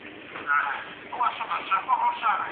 موټر د یوې لویې ونې سیوري ته درول شوی دی.